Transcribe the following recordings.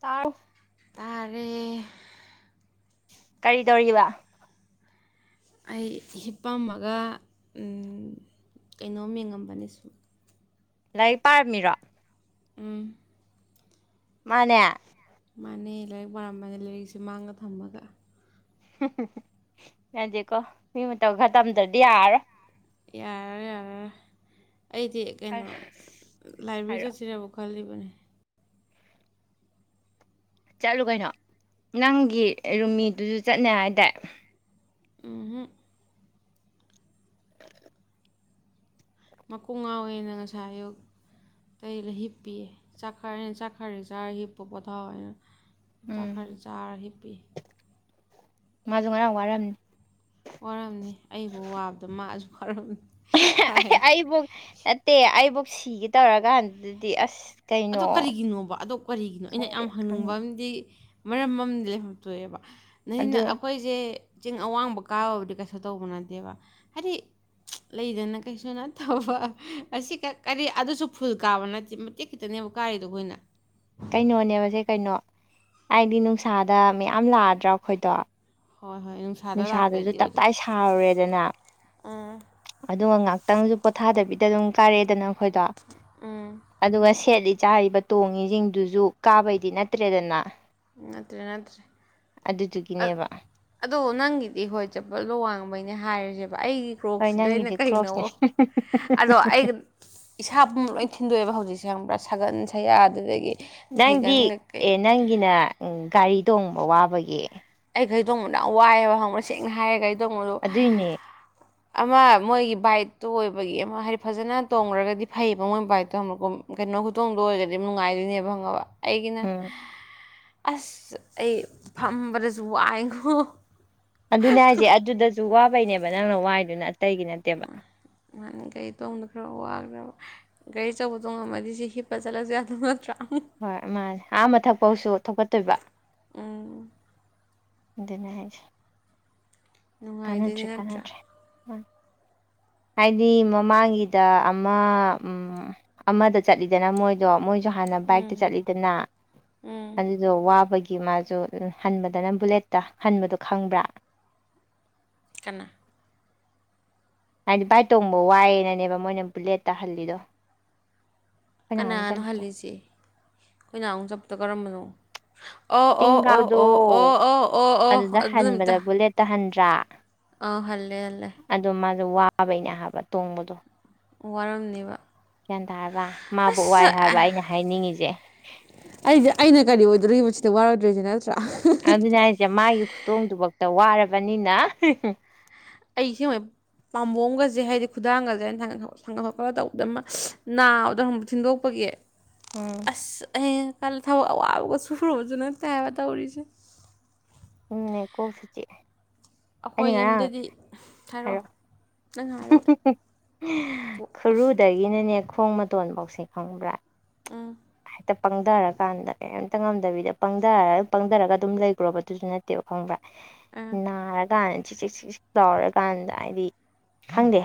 ꯇꯥꯔ‌ꯦ ꯇꯥꯔꯦ ꯀꯔꯤ ꯇꯧꯔꯤꯕ ꯑꯩ ꯍꯤꯞꯄꯝꯃꯒ ꯀꯩꯅꯣꯝ ꯌꯦꯡꯉꯝꯕꯅꯤ ꯁꯨꯝ ꯂꯥꯏꯔꯤꯛ ꯄꯥꯔꯝꯃꯤꯔꯣ ꯎꯝ ꯃꯥꯅꯦ ꯃꯥꯥꯟꯅꯦ ꯂꯥꯏꯔꯤꯛ ꯄꯥꯔꯝꯕꯅꯤ ꯂꯥꯏꯔꯤꯛꯁꯦ ꯃꯥꯡꯗ ꯊꯝꯃꯒ ꯌꯥꯗ‌ꯦꯀꯣ ꯃꯤ ꯃꯇꯧ ꯈꯔ ꯇꯝꯗ꯭ꯔꯗꯤ ꯌꯥꯔꯔꯣꯏ ꯌꯥꯔꯦ ꯌꯥꯔ‌ꯦ ꯑꯩꯗꯤ ꯀꯩꯅꯣ ꯍꯥꯏꯔꯛꯑꯣ ꯂꯥꯏꯕ꯭‌ꯦꯔꯤ ꯆꯠꯁꯤꯔꯦꯕꯣ ꯈꯜꯂꯤꯕꯅꯤ ꯆꯠꯂꯨ ꯀꯩꯅꯣ ꯅꯪꯒꯤ ꯔꯨꯝꯃꯤꯗꯨꯁꯨ ꯆꯠꯅꯤ ꯍꯥꯏꯗꯥꯏ ꯎꯍꯨꯝ ꯃꯀꯣꯡ ꯉꯥꯎꯋꯦꯅ ꯉꯁꯥꯏ ꯑꯌꯨꯛ ꯑꯩꯔꯥ ꯍꯤꯞꯄꯤꯌꯦ ꯆꯥꯛꯈꯔ ꯆꯥꯛꯈꯔ ꯆꯥꯔꯥꯍꯤꯞꯄꯨ ꯄꯣꯊꯥꯎ ꯍꯥꯏꯅ ꯆꯥꯛ ꯈꯔꯁꯤ ꯆꯥꯔ ꯍꯤꯞꯄꯤ ꯃꯥꯖꯨ ꯉꯔꯥꯡ ꯋꯥꯔꯝꯅꯤ ꯋꯥꯔꯝꯅꯤ ꯑꯩꯕꯨ ꯋꯥꯕꯗ ꯃꯥꯁꯨ ꯋꯥꯔꯝꯅꯤ ꯀꯥꯏꯗꯩ ꯑꯩꯕꯨꯛ ꯅꯠꯇꯦ ꯑꯩꯕꯨꯛ ꯁꯤꯒꯦ ꯇꯧꯔꯀꯥꯟꯗꯨꯗꯗꯤ ꯑꯁ ꯀꯩꯅꯣ ꯑꯗꫭ ꯀꯔꯤꯒꯤꯅꯣꯕ ꯑꯗꫭ ꯀꯔꯤꯒꯤꯅꯣ ꯑꯩꯅ ꯈꯪꯗꯦ ꯌꯥꯝ ꯍꯪꯅꯤꯡꯕ ꯈꯪꯗꯦ ꯑꯃꯥꯗꯤ ꯃꯔꯝ ꯑꯃꯥꯥꯗꯤ ꯂꯩꯐꯝ ꯊꯣꯛꯑꯦꯕ ꯅꯅ ꯑꯗꯨ [unintelligible] ꯑꯩꯈꯣꯏ ꯁꯦ ꯆꯤꯡ ꯑꯋꯥꯡꯕ ꯀꯥꯕꯕꯨꯗꯤ ꯀꯩꯁꯨ ꯇꯧꯕ ꯅꯠꯇꯦꯕ ꯍꯥꯏꯗꯤ ꯂꯩꯗꯅ ꯀꯩꯁꯨ ꯅꯠꯇꯧꯕ ꯑꯁꯤ ꯀꯔꯤ ꯑꯗꯨꯁꯨ ꯐꯨꯜ ꯀꯥꯕ ꯅꯠꯇꯦ ꯃꯇꯤꯛ ꯈꯤꯇꯅꯦꯕ ꯀꯥꯏꯔꯤꯗꯣ ꯑꯩꯈꯣꯏꯅ ꯀꯩꯅꯣꯅꯦꯕꯁꯦ ꯀꯩꯅꯣ ꯍꯥꯏꯗꯤ ꯅꯨꯡꯁꯥꯗ ꯃꯌꯥꯝ ꯂꯥꯛꯑꯗ꯭ꯔꯥ ꯑꯩꯈꯣꯏꯗꯣ ꯍꯣꯏ ꯍꯣꯏ ꯅꯨꯡꯁꯥ ꯅꯨꯡꯁꯥꯗꯁꯨ ꯇꯞꯇꯥꯏ ꯁꯥꯔꯨꯔꯦꯗꯅ ꯎꯝ ꯑꯗꯨꯒ ꯉꯥꯛꯇꯪꯁꯨ ꯄꯣꯊꯥꯗꯕꯤꯗ ꯑꯗꯨꯝ ꯀꯥꯔꯦꯗꯅ ꯑꯩꯈꯣꯏꯗꯣ ꯎꯝ ꯑꯗꯨꯒ ꯁꯦꯠꯂꯤ ꯆꯥꯔꯤꯕ ꯇꯣꯡꯉꯤꯁꯤꯡꯗꯨꯁꯨ ꯀꯥꯕꯩꯗꯤ ꯅꯠꯇ꯭ꯔꯦꯗꯅꯥ ꯅꯠꯇ꯭ꯔꯦ ꯅꯠꯇ꯭ꯔꯦ ꯑ- ꯑꯗꯨꯗꯨꯒꯤꯅꯦꯕ ꯑꯗꯣ ꯅꯪꯒꯤꯗꯤ ꯍꯣꯏ ꯆꯝꯄꯜꯗꫭ ꯋꯥꯡꯕꯩꯅꯦ ꯍꯥꯏꯔꯁꯦꯕ ꯑꯩꯒꯤ ꯍꯣꯏ ꯀꫭ꯭ꯔꯣꯛꯁꯤꯗ ꯑꯩꯅ ꯅꯪꯒꯤꯗꯤ ꯀꯩꯅꯣ ꯀ꯭ꯔꯣꯛꯁꯅꯦ ꯑꯗꯣ ꯑꯩꯒ ꯏꯁꯥ ꯄꯨꯝꯕꯥ ꯂꯣꯏ ꯊꯤꯟꯗꯣꯛꯑꯦꯕ ꯍꯧꯖꯤꯛꯁꯦ ꯈꯪꯕ꯭ꯔꯥ ꯁꯥꯒꯟ ꯁꯌꯥ ꯑꯗꯨꯗꯒꯤ ꯐꯩꯒꯟ ꯅꯪꯗꯤ ꯀꯩꯀꯩ ꯑꯦ ꯅꯪꯒꯤꯅ ꯒꯥꯔꯤ ꯇꯣꯡꯕ ꯋꯥꯕꯒꯤ ꯑꯩ ꯒꯥꫪꯤ ꯇꫭꯡꯕꯁ‌ꯦ ꯌꯥꯝ ꯋꯥꯏꯑꯦꯕ ꯈꯪꯕ꯭ꯔꯥ ꯁꯦꯡꯅ ꯍꯥꯏꫪ ꯒꯔꯤ ꯇꫭꯡꯕꯗꯨ ꯑꯗꯨꯏꯅꯦ ꯑꯃꯥ ꯃꯣꯏꯒꯤ ꯕꯥꯏꯛꯇꯨ ꯑꯣꯏꯕꯒꯤ ꯑꯃꯥ ꯍꯥꯏꯗꯤ ꯐꯖꯅ ꯇꯣꯡꯉꯨꯔꯒꯗꯤ ꯐꯩꯌꯦꯕ ꯃꯣꯏ ꯕꯥꯏꯠꯇꯣ ꯑꯃꯨꯛꯀꯨꯝ ꯀꯩꯅꯣ ꯈꯨꯇꯣꯡꯗꯣ ꯑꯣꯏꯔꯗꯤ ꯅꯨꯡꯉꯥꯏꯗꯣꯏꯅꯦꯕ ꯈꯪꯉꯕ ꯑꯩꯒꯤꯅ ꯎꯝ ꯑꯁ ꯑꯩ ꯐꯝꯕꯗꯁꯨ ꯋꯥꯏꯉꫭ ꯑꯗꯨꯅꯦ ꯍꯥꯏꯁꯦ ꯑꯗꯨꯗꯁꯨ ꯋꯥꯕꯩꯅꯦꯕ ꯅꯪꯅ ꯋꯥꯏꯗꯨꯅ ꯑꯇꯩꯒꯤ ꯅꯠꯇꯦꯕ ꯅꯍꯥꯟ ꯒꫪꯤ ꯇꯣꯡꯕꯗꫭ ꯈꯔ ꯋꯥꯒ꯭ꯔ‌ꯦꯕꯥ ꯒꯥꯔꯤ ꯑꯆꯧꯕ ꯇꫭꯡꯉꯝꯃꯗꯤ ꯁꯤ ꯍꯞꯄ ꯆꯠꯂꯁꯨ ꯌꯥꯗꯧ ꯅꯠꯇ꯭ꯔꯥ ꯍꯣꯏ ꯃꯥꯅꯦ ꯑꯥ ꯃꯊꯛꯄꯧꯁꯨ ꯊꯧꯒꯠꯇꯣꯏꯕ ꯎꯝ ꯑꯗꯨꯅ‌ꯦ ꯍꯥꯏꯖ‌ꯦ ꯅꯨꯡꯉꯥꯏꯗꯣꯏꯅꯤ ꯅꯠꯇ꯭ꯔꯥ ꯀꯥꯟꯅꯗ꯭ꯔꯦ ꯍꯥꯏꯗꯤ ꯃꯃꯥꯡꯒꯤꯗ ꯑꯃ ꯎꯝ ꯑꯃꯗ ꯆꯠꯂꯤ ꯗꯅꯥ ꯃꯣꯏꯗꯣ ꯃꯣꯏꯁꯨ ꯍꯥꯟꯅ ꯕꯥꯏꯛꯇ ꯎꯝ ꯆꯠꯂꯤꯗꯅ ꯎꯝ ꯑꯗꯨ ꯑꯗꯨ ꯋꯥꯕꯒꯤ ꯃꯥꯁꯨ ꯍꯟꯕꯗꯅ ꯕꯨꯂꯦꯠꯇ ꯍꯟꯕꯗꯣ ꯈꯪꯕ꯭ꯔꯥ ꯀꯥꯅ ꯍꯥꯏꯗꯤ ꯕꯥꯏꯛ ꯇꯣꯡꯕ ꯋꯥꯏꯌꯦꯅꯅꯦꯕ ꯃꯣꯏꯅ ꯕꯨꯂꯦꯠꯇꯥ ꯍꯜꯂꯤꯗꯣ ꯑꯩꯈꯣꯏ ꯅꯍꯥꯟꯃꯨꯛ ꯀꯅꯥꯅꯣ ꯆꯠꯂꯨꯕꯗꯣ ꯍꯜꯂꯤꯁꯦ ꯑꯩꯈꯣꯏ ꯅꯍꯥꯃꯨꯛ ꯆꯠꯄꯗꯣ ꯀꯔꯝꯕꯅꯣ ꯑꯣ ꯑꯣ ꯆꯤꯡ ꯑꯣ ꯀꯥꯕꯗꯣ ꯑꯣ ꯑꯣ ꯑꯣ ꯑꯣ ꯑꯣ ꯑꯗꯨꯅꯤꯇꯥ ꯇꯍꯟꯗ꯭ꯔꯥ ꯑꯥ ꯍꯜꯂꯦ ꯍꯜꯂꯦ ꯑꯗꯣ ꯃꯥꯖꯨ ꯋꯥꯕꯩꯅꯦ ꯍꯥꯏꯕ ꯇꯣꯡꯕꯗꯣ ꯋꯥꯔꯝꯅꯦꯕ ꯒ꯭ꯌꯥꯟ ꯇꯥꯔꯕ ꯃꯥꯕꯧ ꯋꯥꯏ ꯍꯥꯏꯕ ꯑꯩꯅ ꯍꯥꯏꯅꯤꯡꯉꯤꯖ‌ꯦ ꯑꯩꯖꯦ ꯑꯩꯅ ꯀꯔꯤ ꯑꯣꯏꯗꯣꯔꯤꯕ ꯁꯤꯗ ꯋꯥꯔꯣꯏꯗ꯭ꯔꯤꯖꯦ ꯅꯠꯇ꯭ꯔꯥ ꯑꯗꯨꯅ‌ꯦ ꯍꯥꯏꯁꯦ ꯃꯥꯒꯤ ꯈꯨꯇꯣꯡꯗꯨꯕꯧꯇ ꯋꯥꯔꯕꯅꯤꯅ ꯑꯩ [unintelligible] ꯄꯥꯝꯕꯣꯝꯒꯖꯦ ꯍꯥꯏꯗꯤ ꯈꯨꯗꯥꯡꯒꯖꯦ ꯑꯩꯅ ꯊꯥꯡꯒꯠ ꯊꯥꯡꯒꯠ ꯈꯣꯠꯀꯠꯂ ꯇꯧꯕꯗ ꯑꯃ ꯅꯥꯕꯗꫭ ꯈꯪꯕ ꯊꯤꯟꯗꯣꯛꯄꯒꯤ ꯎꯝ ꯏꯁ ꯑꯩ ꯈꯜꯂꯤ ꯊꯕꯛ ꯑꯋꯥꯕꯒ ꯁꯨꯔꯨꯕꯖꯨ ꯅꯠꯇꯦ ꯍꯥꯏꯕ ꯇꯧꯔꯤꯖꯦ ꯎꯝꯅꯦ ꯀꫭꯛꯁꯨ ꯆꯤꯛꯑ‌ꯦ ꯑꯈꯣꯏ ꯌꯨꯝꯗꯗꯤ ꯍꯥꯏꯔꯣ ꯍꯥꯏꯔꯛꯑꯣ ꯈꯨꯔꯨꯗꯒꯤꯅꯅꯦ ꯈꯣꯡ ꯃꯇꯣꯟꯕꯧꯁꯦ ꯈꯪꯕ꯭ꯔꯥ ꯎꯝ ꯇ ꯄꯪꯗꯔꯀꯥꯟꯗ ꯀꯩꯝꯇ ꯉꯝꯗꯕꯤꯗ ꯄꯪꯗꯔ ꯄꯪꯗꯔꯒ ꯑꯗꯨꯝ ꯂꯩꯒꯔꯣꯕ ꯗꯨꯖꯨ ꯅꯠꯇꯦꯕ ꯈꯪꯕ꯭ꯔꯥ ꯑꯥ ꯅꯥꯔꯀꯥꯟꯗ ꯆꯤꯆꯤꯛ ꯆꯤꯛꯆꯤꯛ ꯂꯥꯎꯔꯀꯥꯟꯗ ꯍꯥꯏꯗꯤ ꯈꯪꯗꯦ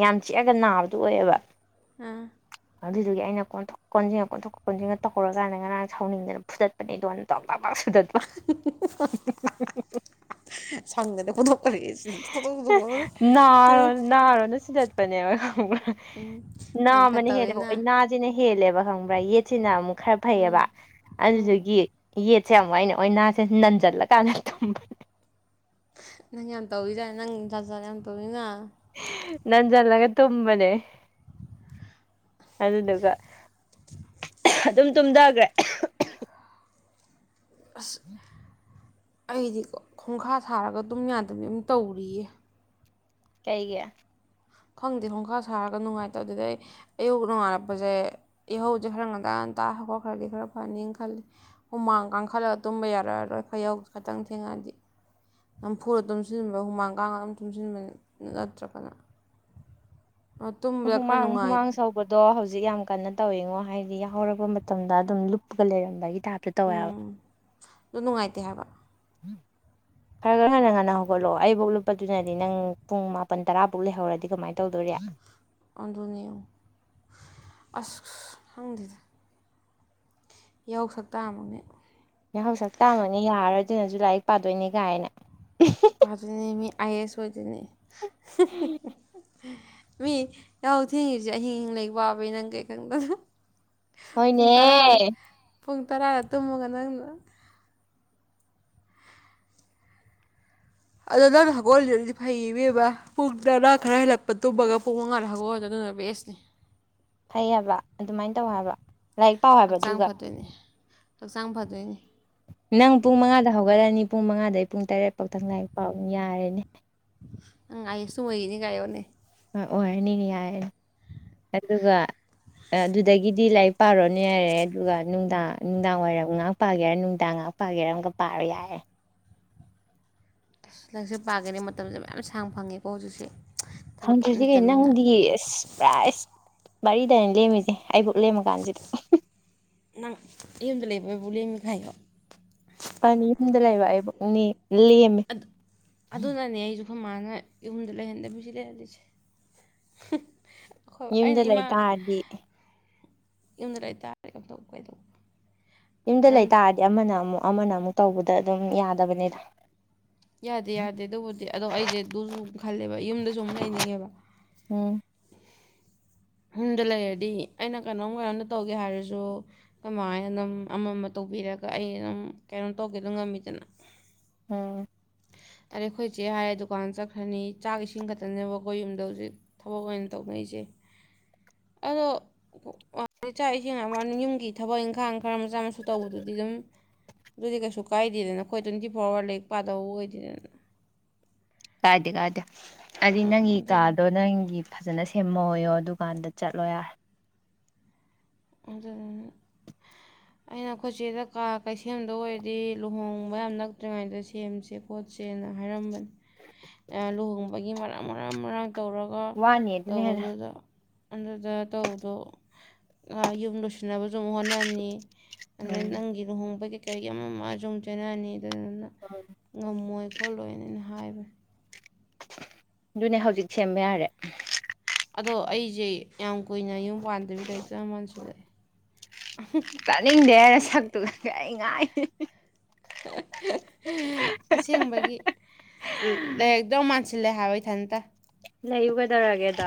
ꯌꯥꯝ ꯆꯤꯛꯑꯒ ꯅꯥꯕꯗꯨ ꯑꯣꯏꯑꯦꯕ ꯑ ꯑꯗꯨꯗꯨꯒꯤ ꯑꯩꯅ ꯀꯣꯟꯊꫭꯛ ꯀꯣꯟꯖꯤꯉ ꯀꯣꯟꯊꯣꯛꯀ ꯀꯣꯟꯖꯤꯟꯒ ꯇꯧꯔꯀꯥꯟꯗ ꯉꯔꯥꯡ ꯁꯥꯎꯅꯤꯡꯗꯅ ꯐꯨꯗꯠꯄꯅꯦ ꯏꯗꯣꯟ ꯇꫭꯛ ꯇꫭꯛ ꯁꯨꯗꯠꯄ [unintelligible] ꯁꯥꯎꯅꯤꯡꯗꯅ [unintelligible] ꯄꯅꯦꯕ ꯈꯪꯕꯔꯥ ꯅꯪ ꯈꯔ ꯅꯥꯝꯃꯅ ꯍꯦꯜꯂꯦꯕ ꯇꯧꯋꯦꯅ ꯑꯣꯏꯅꯥꯖꯤꯅ ꯍꯦꯜꯂꯦꯕ ꯈꯪ ꯕ ꯌꯦꯠꯁꯤꯅ ꯑꯃꯨꯛ ꯈꯔ ꯎꯝ ꯐꯩꯑꯕ ꯎꯝ ꯑꯗꯨꯗꯨꯏ ꯒꯤ ꯌꯦꯠꯁꯦ ꯑꯃꯨꯛ ꯑꯩꯅ ꯑꯣꯏꯅꯁꯦ ꯅꯟꯖꯜꯂꯀꯥꯟꯗ ꯊꯨꯝꯕ ꯅꯪ ꯌꯥꯝ ꯇꯧꯋꯤꯖꯥꯟ ꯅꯪ ꯖꯥꯠ ꯖꯥꯠ ꯌꯥꯝ ꯇꯧꯋꯤꯅ ꯅꯟꯖꯜꯂꯒ ꯇꯨꯝꯕꯅꯦ ꯑꯗꯨꯗꯨꯒ ꯑꯗꯨꯝ ꯇꯨꯝꯗꯒꯔꯦ ꯑꯁ ꯑꯩꯗꯤꯀꯣ ꯈꯣꯡꯈꯥ ꯁꯥꯔꯒ ꯇꯨꯝ ꯌꯥꯗꯕꯤ ꯑꯝ ꯇꯧꯔꯤꯌꯦ ꯀꯩꯒꯤ ꯈꯪꯗꯦ ꯈꯣꯡꯈꯥ ꯁꯥꯔꯒ ꯅꯨꯡꯉꯥꯏꯇꯗꯨꯗꯩ ꯑꯌꯨꯛ ꯅꯣꯡꯉꯥꯜꯂꯞꯄꯥꯖꯦ ꯌꯥꯍꯧꯖꯦ ꯈꯔ ꯉꯟꯇꯥ ꯉꯟꯇꯥ ꯍꯧꯒꯠꯈ꯭ꯔꯗꯤ ꯈꯔ ꯐꯅꯤ ꯈꯜꯂꯤ ꯍꯨꯃꯥꯡ ꯀꯥꯡꯈꯠꯂ ꯇꯨꯝꯕ ꯌꯥꯔꯑꯔꯣꯏ ꯈꯌꯧ ꯈꯇꯪ ꯊꯦꯡꯉꯑꯗꯤ ꯅꯝꯐꯨꯨꯔ ꯇꯨꯝꯁꯤꯟꯕ ꯍꯨꯃꯥꯡ ꯀꯥꯡ ꯑꯗꯨꯝ ꯇꯨꯝꯖꯤꯟꯕ ꯅꯠꯇ꯭ꯔꯒꯅ ꯇꯨꯝꯕꯗ ꯈꯔ ꯍꯨꯃꯥꯡ ꯅꯨꯡꯉꯥꯏ ꯍꯨꯃꯥꯡ ꯁ ꯁꯧꯕꯗꯣ ꯍꯧꯖꯤꯛ ꯌꯥꯝ ꯀꯟꯅ ꯇꯧꯋꯤꯉꯣ ꯍꯥꯏꯗꯤ ꯌꯥꯍꯧꯔꯛꯄ ꯃꯇꯝꯗ ꯑꯗꯨꯝ ꯂꯨꯞꯄꯒ ꯂꯩꯔꯝꯕꯒꯤ ꯇꯥꯏꯞꯇ ꯇꯧꯋꯦ ꯍꯥꯏꯕ ꯎꯝ ꯗꯨ ꯅꯨꯉꯥꯏꯇꯦ ꯍꯥꯏꯕ [unintelligible] ꯈꯔꯒ ꯉꯟꯅ ꯉꯟꯅ ꯍꯧꯒꯠꯂꯣ ꯑꯩꯕꯧ ꯂꯨꯞꯄꯗꯨꯅꯗꯤ ꯅꯪ ꯄꯨꯡ ꯃꯥꯄꯟ ꯇꯔꯥꯕꯧ ꯂꯩꯍꯧꯔꯗꯤ ꯀꯃꯥꯏ ꯇꯧꯗꯣꯔꯤ ꯑꯗꯨꯨꯅꯦ ꯌꯦꯡꯉꯨ ꯑꯁ ꯈꯪꯗꯦꯗ ꯌꯧ ꯁꯛꯇꯥꯃꯛꯅꯦ ꯌꯥꯍꯧ ꯁꯛꯇꯥꯃꯛꯅꯦ ꯌꯥꯔꯣꯏ ꯑꯗꯨꯅꯖꯨ ꯂꯥꯏꯔꯤꯛ ꯄꯥꯗꯣꯏꯅꯦ ꯀꯥꯏꯅ ꯄꯥꯗꯣꯏꯅꯦ ꯃꯤ ꯑꯥꯏ ꯑꯦꯁ ꯑꯣꯏꯗꯣꯏꯅꯤ ꯃꯤ ꯌꯥꯍꯧ ꯊꯦꯡꯉꯤꯖꯦ ꯑꯍꯤꯡ ꯑꯍꯤꯡ ꯂꯩꯏꯛ ꯄꯥꯕꯩ ꯅꯪ ꯀꯩ ꯈꯪꯗꯅ ꯄꯨꯡ ꯍꯣꯏꯅꯦ ꯇꯔꯥꯗ ꯄꯨꯡ ꯇꯔꯥ ꯇꯨꯝꯃꯒ ꯅꯪꯅ ꯑꯗꯣ ꯅꯪꯅ ꯍꯧꯒꯣꯂꯤꯗꯨꯗꯤ ꯐꯩꯌꯦ ‌ꯏꯕꯦꯝꯃꯥ ꯄꯨꯡ ꯇꯔꯥ ꯈꯔ ꯍꯦꯜꯂꯛꯄ ꯇꯨꯝꯃꯒ ꯄꯨꯡ ꯃꯉꯥꯗ ꯍꯒꯣꯠꯂꯤꯗꯨ ꯑꯗꯨꯅ ꯕꯦꯁꯅꯤ ꯐꯩ ꯍꯥꯏꯕ ꯑꯗꯨꯃꯥꯏꯟ ꯇꯧ ꯍꯥꯏꯕ ꯂꯥꯏꯔꯤꯛ ꯄꯥꯎ ꯍꯥꯏꯕ ꯑꯗꯨꯒ ꯑꯗꯨꯅꯤ ꯍꯛꯆꯥꯡ ꯐꯗꯣꯏꯅꯤ ꯅꯪ ꯄꯨꯡ ꯃꯉꯥꯗ ꯍꯧꯒꯠꯂꯅꯤ ꯄꯨꯡ ꯃꯉꯥꯗꯩ ꯄꯨꯡ ꯇꯔꯦꯠ ꯄꯥꯎꯊꯪ ꯂꯥꯏꯔꯤꯛ ꯄꯥꯎꯅꯦ ꯌꯥꯔꯦꯅꯦ ꯑꯪ ꯑꯥꯏ ꯑꯦꯁ ꯁꯨ ꯑꯣꯏꯒꯅꯤ ꯒꯥꯏꯌꯨꯅꯦ ꯎꯝ ꯑꯣꯏꯔꯅꯤꯅꯦ ꯌꯥꯏꯅꯦ ꯑꯗꯨꯒ ꯑꯦꯗꯨꯗꯒꯤꯗꯤ ꯂꯥꯏꯔꯤꯛ ꯄꯥꯔꯣꯅꯦ ꯌꯥꯔꯦ ꯑꯗꯨꯒ ꯅꯨꯡꯗꯥꯡ ꯅꯨꯡꯗꯥꯡ ꯋꯥꯏꯔꯝ ꯉꯥꯛ ꯄꯥꯒꯦ ꯍꯥꯏꯔ ꯅꯨꯡꯗꯥꯡ ꯉꯍꯥꯛ ꯄꯥꯒꯦ ꯑꯝꯒ ꯄꯥꯔꯣ ꯌꯥꯔꯦ ꯑꯁ ꯅꯪꯁꯨ ꯄꯥꯒꯅꯤ ꯃꯇꯝꯁꯦ ꯃꯌꯥꯝ ꯁꯥꯡ ꯐꯪꯉꯦꯀꯣ ꯍꯧꯖꯤꯛꯁꯦ ꯊꯕꯛ ꯀꯩꯝ ꯈꯪꯗ꯭ꯔꯗꯤ ꯀꯩ ꯂꯩꯇꯕꯅꯤꯅ ꯅꯪꯗꯤꯁ ꯄ꯭ꯔꯥꯏꯁ ꯃꯔꯤꯗꯅ ꯂꯦꯝꯃꯤꯖꯦ ꯑꯩꯕꯨꯛ ꯂꯦꯝꯃꯀꯥꯟꯁꯤꯗ ꯅꯪ ꯌꯨꯝꯗ ꯂꯩꯕ ꯑꯩꯕꯥꯎ ꯂꯦꯝꯃꯤ ꯀꯥꯏꯌꯣ ꯄꯅꯤ ꯌꯨꯝꯗ ꯂꯩꯕ ꯑꯩꯕꯛ ꯅꯦ ꯂꯦꯝꯃꯦ ꯑꯗꯨ ꯑꯗꯨꯅꯅꯦ ꯑꯩꯖꯨ ꯑꯈꯣꯏ ꯃꯥꯥꯅ ꯌꯨꯝꯗ ꯂꯩꯍꯟꯗꯕꯤ ꯁꯤ ꯂꯩꯍꯜꯂꯤꯁꯦ ꯈꯣꯕ ꯌꯨꯝꯗ ꯑꯩꯅ ꯂꯩ ꯏꯃꯥ ꯇꯥꯔꯗꯤ ꯌꯨꯝꯗ ꯂꯩꯇꯥꯔꯗꯤ [unintelligible] ꯌꯨꯝꯗ ꯑꯗꯨꯝ ꯂꯩꯇꯥꯔꯗꯤ ꯑꯃꯅ ꯑꯃꯨꯛ ꯑꯃꯅ ꯑꯃꯨꯛ ꯇꯧꯕꯗ ꯑꯗꯨꯝ ꯌꯥꯗꯕꯅꯤꯗ ꯌꯥꯗꯦ ꯌꯥꯗꯦ ꯑꯗꯨꯕꯨꯗꯤ ꯑꯗꯣ ꯑꯩꯖꯦ ꯑꯗꯨꯖꯨ ꯎꯝ ꯈꯜꯂꯤꯕ ꯌꯨꯝꯗꯖꯨ ꯎꯝ ꯂꯩꯅꯤꯡꯉꯦꯕ ꯎꯝ ꯌꯨꯝꯗ ꯂꯩꯔꯗꯤ ꯑꯩꯅ ꯀꯩꯅꯣꯝ ꯀꯩꯅꯣꯝꯗ ꯇꯧꯒꯦ ꯍꯥꯏꯔꯖꯨ ꯈꯣꯏ ꯃꯥꯍꯣꯏꯅ ꯑꯗꯨꯝ ꯑꯃ ꯑꯃ ꯇꯧꯕꯤꯔꯒ ꯑꯩ ꯑꯗꯨꯝ ꯀꯩꯅꯣ ꯇꯧꯒꯦꯗꯣ ꯉꯝꯃꯤꯗꯅ ꯎꯝ ꯑꯗꯩ ꯑꯩꯈꯣꯏ ꯏꯆꯦ ꯍꯥꯏꯔꯦ ꯗꯨꯀꯥꯟ ꯆꯠꯈ꯭ꯔꯅꯤ ꯆꯥꯛ ꯏꯁꯤꯡ ꯈꯛꯇꯅꯦꯕ ꯑꯩꯈꯣꯏ ꯌꯨꯝꯗ ꯍꯧꯖꯤꯛ ꯊꯕꯛ ꯑꯣꯏꯅ ꯇꯧꯅꯔꯤꯁꯦ ꯑꯗꯣ [unintelligible] ꯆꯥꯛ ꯏꯁꯤꯡ ꯍꯥꯏꯕꯩ ꯋꯥꯅꯦ ꯌꯨꯝꯒꯤ ꯊꯕꯛ ꯏꯪꯈꯥꯡ ꯈꯔ ꯃꯆꯥ ꯃꯁꯨ ꯇꯧꯕꯗꯨꯗꯤ ꯑꯗꯨꯝ ꯑꯗꯨꯗꯤ ꯀꯩꯁꯨ ꯀꯥꯏꯗꯦꯗꯅ ꯑꯩꯈꯣꯏ ꯇꯣꯏꯟꯇꯤ ꯐꯣꯔ ꯑꯋꯥꯔ ꯂꯥꯏꯔꯤꯛ ꯄꯥꯠ ꯇꯧꯑꯣꯏꯗꯤꯟ ꯀꯥꯏꯗꯦ ꯀꯥꯏꯗꯦ ꯍꯥꯏꯗꯤ ꯑꯥ ꯅꯪꯒꯤ ꯑꯗꯨꯗꯨꯅ ꯀꯥꯗꯣ ꯅꯪꯒꯤ ꯐꯖꯅ ꯁꯦꯝꯃꯣꯑꯣꯌꯣ ꯑꯗꯨꯀꯥꯟꯗ ꯆꯠꯂꯣ ꯌꯥꯔꯦ ꯑꯗꯨꯗꯨꯅ [inaudible] ꯑꯩꯅ ꯑꯈꯣꯏ ꯆꯦꯗ ꯀꯥ ꯀꯩ ꯁꯦꯝꯗꯣ ꯑꯣꯏꯔꯗꯤ ꯂꯨꯍꯣꯡꯕ ꯌꯥꯝ ꯅꯛꯇ꯭ꯔꯤꯉꯥꯏꯗ ꯁꯦꯝꯖꯦ‍ ꯈꯣꯠꯁꯦꯅ ꯍꯥꯏꯔꯝꯕꯅꯤ ꯌꯥꯝꯅ ꯑ ꯂꯨꯍꯣꯡꯕꯒꯤ ꯃꯔꯥꯡ ꯃꯔꯥꯡ ꯃꯔꯥꯡ ꯇꯧꯔ ꯋꯥꯅꯤ ꯑꯗꯨꯅ ꯍꯦꯟꯅ ꯑꯗꯨꯗ ꯇꯧꯗꯣ ꯑ ꯌꯨꯝ ꯂꯣꯏꯁꯤꯟꯅꯕꯁꯨ ꯑꯃꯨꯛ ꯍꯣꯅꯅꯤ ꯑꯗꯩ ꯎꯝ ꯅꯪꯒꯤ ꯂꯨꯍꯣꯡꯕꯒꯤ ꯀꯩꯒꯤ ꯑꯃ ꯑꯃꯖꯨꯝ ꯆꯦꯟꯅꯔꯅꯤ ꯑꯗꯨꯗꯨꯅ [unintelligible] ꯉꯝꯃꯣꯏ ꯈꯣꯠꯂꯣꯏꯅ ꯑꯩꯅ ꯍꯥꯏꯕꯅꯤ ꯑꯗꯨꯅꯦ ꯍꯧꯖꯤꯛ ꯁꯦꯝꯕ ꯌꯥꯔꯦ ꯑꯗꯣ ꯑꯩꯖꯦ ꯌꯥꯝ ꯀꯨꯏꯅ ꯌꯨꯝ ꯄꯥꯟꯗꯕꯤ ꯂꯩꯔꯛꯇꯣꯏ ꯌꯥꯝ ꯃꯥꯟꯁꯤꯜꯂꯛꯑꯦ ꯇꯥꯅꯤꯡꯗꯦꯍꯦ ꯅꯁꯛꯇꯨꯒ ꯑꯩ ꯉꯥꯏ ꯑꯁꯦꯡꯕꯒꯤ ꯂꯩꯗꯧ ꯃꯥꯟꯁꯤꯜꯂꯦ ꯍꯥꯏꯕ ꯏꯊꯟꯇ ꯂꯩꯌꯨ ꯀꯩꯗꯧꯔꯒꯦꯗ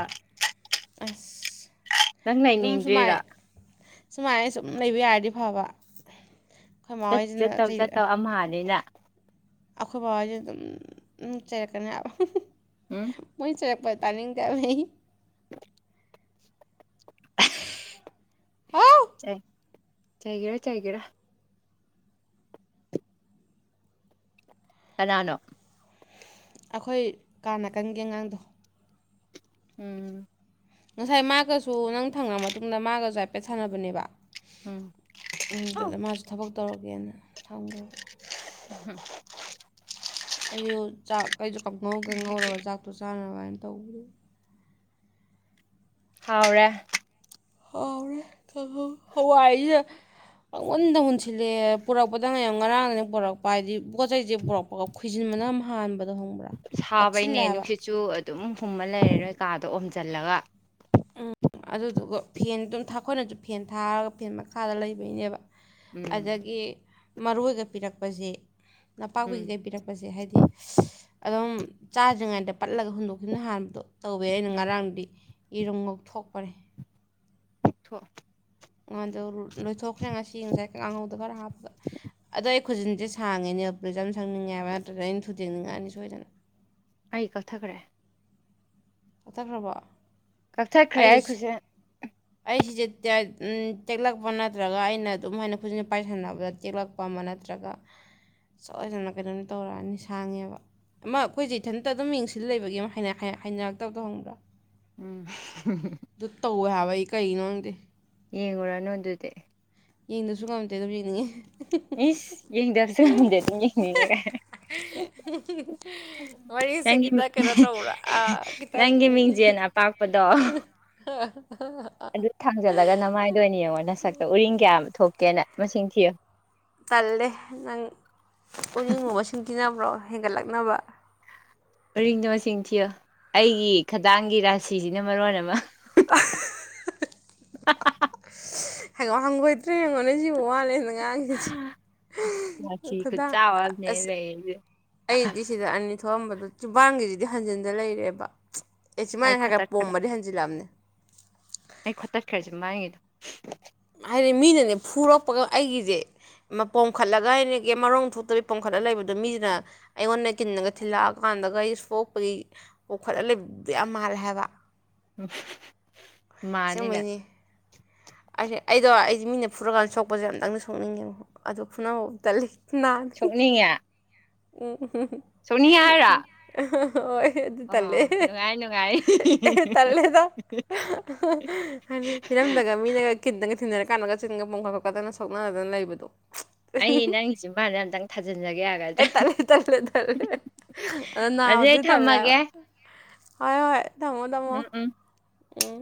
ꯑꯁ ꯅꯪ ꯑꯗꯨꯝ ꯁꯨꯃꯥꯏ ꯂꯩꯅꯤꯡꯗ꯭ꯔꯤꯔꯣ ꯁꯨꯃꯥꯏꯅ ꯁꯨꯝ ꯂꯩꯕ ꯌꯥꯔꯗꯤ ꯐꯕ ꯑꯩꯈꯣꯏꯃꯥ ꯍꯣꯏꯁꯤꯅ ꯑꯝꯍꯥꯅꯤꯅ ꯑꯩꯈꯣꯏ ꯕꯕꯥꯁꯦ ꯑꯗꯨꯝ ꯆꯩꯔꯛꯀꯅꯤꯕ ꯎꯝ ꯃꯣꯏ ꯆꯩꯔꯛꯄ ꯇꯅꯤꯡꯇ‌ꯦ ‌ꯍꯥꯏꯕ ꯑꯩ [unintelligible] ꯍꯥꯎ ꯆꯩꯥꯏꯒꯦꯔꯥ ꯆꯩꯥꯏꯒꯦꯔꯥ ꯑꯅꯥꯅꯣ ꯑꯩꯈꯣꯏ ꯀꯥ ꯅꯥꯀꯟꯒꯤ ꯑꯉꯥꯡꯗꯣ ꯎꯝ ꯉꯁꯥꯏ ꯃꯥꯒꯁꯨ ꯅꯪ ꯊꯪꯅ ꯃꯇꯨꯡꯗ ꯃꯥꯒꯁꯨ ꯍꯥꯏꯐꯦꯠ ꯁꯥꯟꯅꯕꯅꯦꯕ ꯎꯝ ꯎꯝ ꯑꯧ ꯑꯗꯨꯗ ꯃꯥꯁꯨ ꯊꯕꯛ ꯇꯧꯔꯒꯦꯅ ꯊꯝꯈ꯭ꯔꯕ [unintelligible] ꯑꯩꯁꯨ ꯆꯥꯛ ꯀꯩꯁꯨ ꯀꯪꯉꯧ ꯀꯩ ꯉꯧꯔꯒ ꯆꯥꯛꯇꯣ ꯆꯥꯅꯔ ꯀꯥꯏꯅ ꯇꯧꯕꯗ ꯍꯥꯎꯔꯦ ꯍꯥꯎꯔ‌ꯦ ꯀꯪꯍꯧ ꯍꯋꯥꯏꯖꯤꯗ ꯄꯪꯉꯨꯟꯗ ꯍꯨꯟꯁꯤꯜꯂꯦ ꯄꯨꯔꯛꯄꯗꯪ ꯉ ꯌꯥꯝ ꯉꯔꯥꯡꯗꯅꯤ ꯄꯨꯔꯛꯄ ꯄꯥꯏꯗꯤ ꯄꯣꯠꯆ ꯆꯩꯁꯦ ꯄꯨꯔꯛꯄꯒ ꯈꯣꯏꯖꯤꯟꯕꯅ ꯑꯃ ꯍꯥꯟꯕꯗꯣ ꯈꯪꯕ꯭ꯔꯥ ꯄꯠꯁꯤꯜꯂꯦ ꯁꯥꯕꯩꯅꯦ ꯍꯥꯏꯕ ꯅꯨꯡꯁꯤꯠꯁꯨ ꯑꯗꯨꯝ ꯍꯨꯝꯃ ꯂꯩꯔꯔꯣꯏ ꯀꯥꯗꯣ ꯑꯣꯝꯁꯤꯜꯂꯒ ꯎꯝ ꯑꯗꯨꯗꯨꯒ ꯐꯦꯟ ꯑꯗꯨꯝ ꯊꯥꯈꯣꯏꯅꯁꯨ ꯐꯦꯟ ꯊꯥꯔꯒ ꯐꯦꯟ ꯃꯈꯥꯗ ꯂꯩꯕꯩꯅꯦꯕ ꯎꯝ ꯑꯗꯒꯤ ꯃꯔꯣꯏꯒ ꯄꯤꯔꯛꯄꯁ‌ꯦ ꯅꯄꯥꯛꯄꯤ ꯎꯝ ꯀꯩ ꯀꯩ ꯄꯤꯔꯛꯄꯁꯦ ꯍꯥꯏꯗꯤ ꯑꯗꯨꯝ ꯆꯥꯗ꯭ꯔꯤꯉꯩꯗ ꯄꯠꯂꯒ ꯍꯨꯟꯗꯣꯛꯈꯤꯕꯅ ꯍꯥꯟꯕꯗꯣ ꯇꯧꯋꯦ ꯑꯩꯅ ꯎꯝ ꯉꯔꯥꯡꯗꯤ ꯏꯔꯨꯝ ꯉꯧꯊꯣꯛꯄꯅ‌ꯦ ꯊꯣꯛ ꯉꯥꯡꯗꯣ ꯂꯣꯏꯊꯣꯛꯈ꯭ꯔꯦ ꯉꯁꯤ ꯉꯁꯥꯏ ꯀꯥꯡꯍꯧꯗ ꯈꯔ ꯍꯥꯞꯄꯒ ꯑꯗꯣ ꯑꯩ ꯈꯨꯖꯤꯟꯁꯦ ꯁꯥꯡꯉꯤꯅꯦ ꯄ꯭ꯔꯤꯖꯝ ꯁꯪꯅꯤꯡꯉꯦ ꯍꯥꯏꯕ ꯅꯠꯇ꯭ꯔꯗ ꯑꯩꯅ ꯊꯨꯗꯦꯡꯅꯤꯡꯉꯛꯑꯅꯤ ꯁꯣꯏꯗꯅ ꯑꯩ ꯀꯛꯊꯈ꯭ꯔꯦ ꯀꯛꯊꯈ꯭ꯔꯕ‌ꯣ ꯀꯛꯊꯠꯈ꯭ꯔꯦ ꯑꯩꯈꯨꯖꯤꯟ ꯑꯩ ꯁꯤꯁꯦ ꯇꯦꯛꯂꯛꯄ ꯅꯠꯇ꯭ꯔꯒ ꯑꯩꯅ ꯑꯗꯨꯝ ꯍꯥꯏꯅ ꯈꯨꯖꯤꯅ ꯄꯥꯏꯁꯟꯅꯕꯗ ꯇꯦꯛꯂꯛꯄ ꯄ ꯑꯃ ꯅꯠꯇ꯭ꯔꯒ ꯁꯣꯏꯗꯅ ꯀꯩꯅꯣꯅꯤ ꯇꯧꯔꯛꯑꯅꯤ ꯁꯥꯡꯉꯦꯕ ꯑꯃ ꯑꯩꯈꯣꯏꯁꯦ ꯏꯊꯟꯇ ꯑꯗꯨꯝ ꯌꯦꯡꯁꯤꯟ ꯂꯩꯕꯒꯤ ꯍꯥꯏꯅꯔꯛꯇꯕꯗ‌ꯣ ꯈꯪꯕ꯭ꯔꯥ ꯎꯝ ꯑꯗꯨ ꯇꯧꯋꯦ ꯍꯥꯏꯕ ꯑꯩ ꯀꯔꯤꯒꯤꯅꯣ ꯈꯪꯗꯦ ꯌꯦꯡꯉꯨꯔꯅꯨ ꯑꯗꯨꯗꯤ ꯌꯦꯡꯗꯁꯨ ꯉꯝꯗꯦ ꯑꯗꯨꯝ ꯌꯦꯡꯅꯤꯡꯉꯦ ꯏꯁ ꯌꯦꯡꯗꯔꯁꯨ ꯉꯝꯗꯦ ꯑꯗꯨꯝ ꯌꯦꯡꯅꯤꯡꯉ‌ꯦ ꯒꯥꯏ [unintelligible] ꯋꯥꯔꯤꯁꯦ ꯅꯪꯒꯤ ꯈꯤꯇꯪ ꯀꯩꯅꯣ ꯇꯧꯕ꯭ꯔꯥ ꯈꯤꯇꯪ ꯅꯪꯒꯤ ꯃꯤꯡꯖꯦꯜ ꯑꯄꯥꯛꯄꯗꯣ [unintelligible] ꯑꯗꯨ ꯊꯥꯡꯖꯜꯂꯒ ꯅꯃꯥꯏꯗ ꯑꯣꯏꯅ ꯌꯦꯡꯉꯣ ꯅꯁꯛꯇ ꯎꯔꯤꯡ ꯀꯌꯥ ꯑꯃ ꯊꯣꯛꯀꯦꯅ ꯃꯁꯤꯡ ꯊꯤꯌꯨ ꯇꯜꯂꯦ ꯅꯪ ꯎꯔꯤꯡꯕꯨ ꯃꯁꯤꯡ ꯊꯤꯅꯕ꯭ꯔꯣ ꯍꯦꯟꯒꯠꯂꯛꯅꯕ ꯎꯔꯤꯡꯗꯣ ꯃꯁꯤꯡ ꯊꯤꯌꯣ ꯑꯩꯒꯤ ꯈꯗꯥꯡꯒꯤ ꯔꯥꯁꯤꯁꯤꯅ ꯃꯔꯣꯟ ꯑꯃ [unintelligible] ꯍꯩꯉꯣ ꯍꯪꯒꫭꯏꯇ꯭ꯔ ꯌꯡꯦꯉꯣꯅꯦ ꯁꯤꯕꯨ ꯋꯥꯂꯦꯅ ꯌꯥꯝꯒꯤꯁ ꯔꯥꯁꯤ ꯈꯨꯗꯥꯡ ꯈꯨꯠꯆꯥꯎ ꯑꯃꯅꯦ ꯑꯁ ꯂꯩꯔꯤꯁꯦ ꯑꯩꯗꯤ ꯁꯤꯗ ꯑꯅꯤ ꯊꯣꯛꯑꯝꯕꯗꯣ ꯆꯨꯕꯥꯟꯒꯤꯖꯤꯗꯤ ꯍꯟꯖꯤꯟꯗ ꯂꯩꯔꯦꯕ ꯑꯦ ꯑꯩ ꯁꯨꯃꯥꯏꯅ ꯈꯔ ꯈꯔ ꯈꯣꯠꯇꯠꯈ꯭ꯔꯦ ꯄꯣꯝꯕꯗꯤ ꯍꯟꯖꯤꯜꯂꯛꯑꯝꯅꯦ ꯑꯩ ꯈꫭꯠꯇꯠꯈ꯭ꯔꯁꯦ ꯃꯥꯡꯉꯤꯗꯣ ꯍꯥꯏꯗꯤ ꯃꯤꯅꯅꯦ ꯐꯨꯔꯛꯄꯒ ꯑꯩꯒꯤꯁꯦ ꯑꯃ ꯄꯣꯝꯈꯠꯂꯒ ꯍꯥꯏꯩꯅꯒ ꯃꯔꯣꯡ ꯊꯣꯛꯇꯒꯤ ꯄꯣꯝꯈꯠꯂ ꯂꯩꯕꯗꯣ ꯃꯤꯁꯤꯅ ꯑꯩꯉꯣꯟꯗ ꯀꯤꯟꯅꯒ ꯊꯤꯜꯂꯛꯑꯀꯥꯟꯗꯒ ꯑꯩ ꯁꯣꯛꯄꯒꯤ ꯄꫭꯝꯈꯠꯂ ꯂꯩꯕꯗ ꯌꯥꯝ ꯃꯥꯜꯂꯦ ꯍꯥꯏꯕ ꯃꯥꯟꯅꯤ ꯅꯪ ꯑꯁꯦꯡꯕꯩꯅꯦ ꯑꯩꯁꯦ ꯑꯩꯗꯣ ꯑꯩꯁꯦ ꯃꯤꯅ ꯐꯨꯔꯀꯥꯟꯗ ꯁꯣꯛꯄꯁꯦ ꯑꯝꯇꯪꯗꯤ ꯁꯣꯛꯅꯤꯡꯉꯦ ꯑꯗꫭ ꯐꯨꯅꯕ ꯇꯜꯂꯤ ꯅꯥꯏ [unintelligible] [unintelligible] ꯁꯣꯛꯅꯤꯡꯉꯦ ꯍꯥꯏꯔꯥ ꯍꯣꯏ ꯑꯗꯨ ꯇꯜꯂꯦ ꯅꯨꯡꯉꯥꯏ ꯅꯨꯡꯉꯥꯏ ꯇꯜꯂꯦꯗ ꯍꯥꯏꯗꯤ ꯐꯤꯂꯝꯗꯒ ꯃꯤꯅꯒ ꯀꯤꯟꯗꯒ ꯊꯤꯟꯅꯔ ꯀꯥꯟꯗꯒ ꯆꯤꯟꯒ ꯄꯣꯝꯈꯠꯄꯠ ꯈꯛꯇꯅ ꯁꯣꯛꯅꯗꯅ ꯂꯩꯕꯗꯣ ꯑꯩ ꯅꯪꯒꯤ ꯆꯤꯝꯕꯥꯟꯖꯤ ꯑꯝꯇꯪ ꯊꯥꯖꯤꯟꯖꯒꯦ ꯑꯒ ꯑꯦ ꯇꯜꯂꯦ ꯇꯜꯂꯦ ꯇꯜꯂꯦ ꯑ ꯑꯗꯨꯗꯤ ꯅꯥꯕꯗꯤ ꯑꯩ ꯇꯜꯂꯦꯍꯥꯕ ꯊꯝꯃꯒꯦ ꯍꯣꯏ ꯍꯣꯏ ꯊꯝꯃꯣ ꯊꯝꯃꯣ ꯎꯝ ꯎꯝ ꯎꯝ